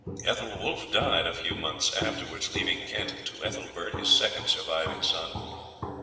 Ethelwulf died a few months afterwards, leaving Kent to Ethelbert, his second surviving son.